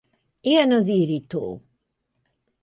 Ilyen az Eyre-tó.